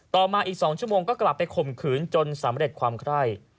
ต่อมาอีก๒ชั่วโมงก็กลับไปข่มขืนจนสำเร็จความไคร่